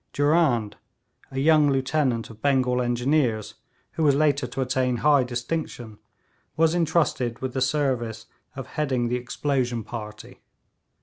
Durand, a young lieutenant of Bengal Engineers, who was later to attain high distinction, was entrusted with the service of heading the explosion party.